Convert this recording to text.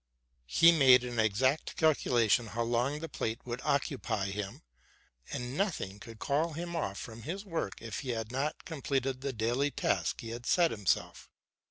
He made an exact calculation how long a plate would occupy him, and nothing could eall hin otf from his work if he had not completed the daily task he had set himself.